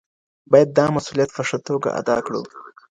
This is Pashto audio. باید دا مسولیت په ښه توګه ادا کړو.